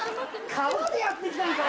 川でやってきたのかよ？